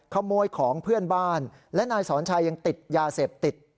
ขโมยของเพื่อนบ้านและนายสอนชัยยังติดยาเสพติด